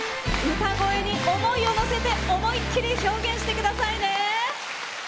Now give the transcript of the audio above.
歌声に思いをのせて思いっきり表現してくださいね！